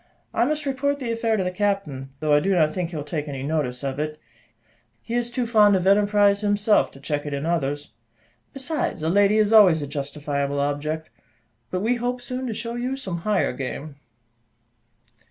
I must report the affair to the captain, though I do not think he will take any notice of it; he is too fond of enterprise himself to check it in others. Besides, a lady is always a justifiable object, but we hope soon to show you some higher game."